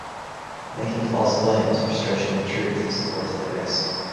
Making false claims or stretching the truth isn’t worth the risk.